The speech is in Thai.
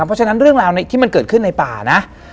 เพราะฉะนั้นเรื่องราวที่มันเกิดขึ้นในป่านะ